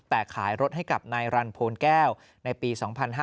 แต่ขายรถให้กับนายรันโพนแก้วในปี๒๕๕๙